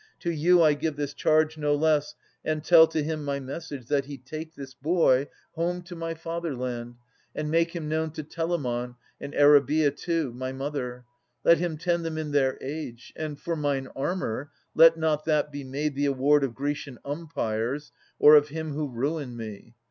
To you I give this charge no less, — and tell To him my message, that he take this boy 567 593] Ams 73 Home to my fatherland, and make him known To Telamon, and Eriboea too, My mother. Let him tend them in their age. And, for mine armour, let not that be made The award of Grecian umpires or of him Who ruined me.